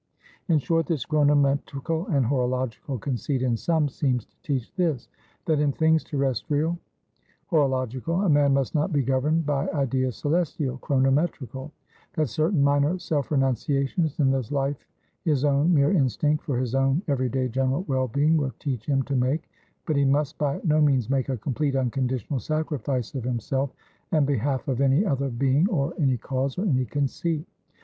"In short, this Chronometrical and Horological conceit, in sum, seems to teach this: That in things terrestrial (horological) a man must not be governed by ideas celestial (chronometrical); that certain minor self renunciations in this life his own mere instinct for his own every day general well being will teach him to make, but he must by no means make a complete unconditional sacrifice of himself in behalf of any other being, or any cause, or any conceit.